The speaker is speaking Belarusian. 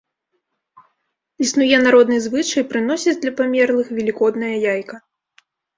Існуе народны звычай прыносіць для памерлых велікоднае яйка.